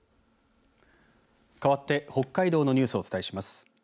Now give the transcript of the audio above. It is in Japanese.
かわって北海道のニュースをお伝えします。